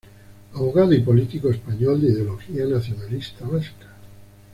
Abogado y político español de ideología nacionalista vasca.